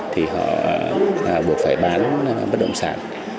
thì họ buộc phải bán bất động sản